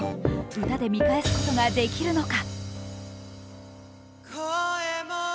歌で見返すことができるのか。